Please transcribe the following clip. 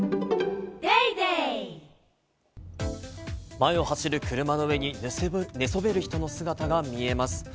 前を走る車の上に寝そべる人の姿が見えます。